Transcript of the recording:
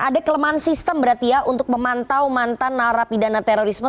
ada kelemahan sistem berarti ya untuk memantau mantan narapidana terorisme